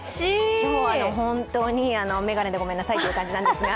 今日、本当に眼鏡でごめんなさいという感じなんですが。